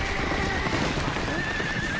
えっ？